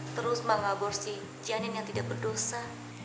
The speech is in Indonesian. terus mengaborsi janin yang tidak berdosa